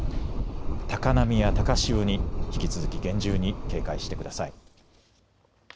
高波や高潮に引き続き厳重に警戒してください。